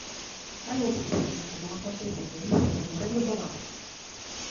Algo que tristemente non acontece en Galicia co modelo Sogama.